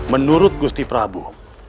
menurut gusti prabu